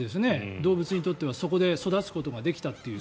動物にとってはそこで育つことができたという。